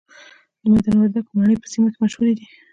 د میدان وردګو مڼې په سیمه کې مشهورې دي.